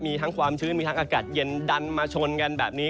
มีทั้งความชื้นมีทั้งอากาศเย็นดันมาชนกันแบบนี้